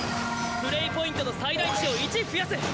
プレイポイントの最大値を１増やす！